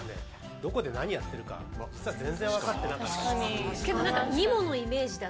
どこで何やってるか実は全然分かってなかったんです。